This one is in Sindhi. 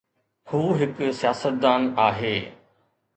هو هڪ سياستدان آهي